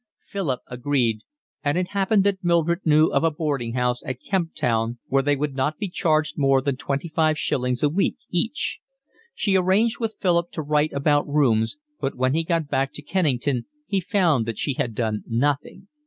Philip agreed, and it happened that Mildred knew of a boarding house at Kemp Town where they would not be charged more than twenty five shillings a week each. She arranged with Philip to write about rooms, but when he got back to Kennington he found that she had done nothing.